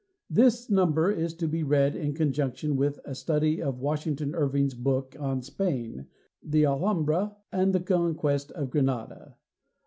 This number is to be read in conjunction with a study of Washington Irving's books on Spain "The Alhambra" and "The Conquest of Granada."